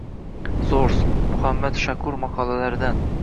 Source: Muhammad Shakur maqolalaridan